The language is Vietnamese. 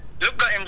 để chụp xuống anh